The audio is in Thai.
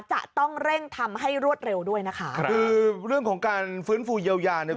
จะต้องเร่งทำให้รวดเร็วด้วยนะคะครับคือเรื่องของการฟื้นฟูเยียวยาเนี่ย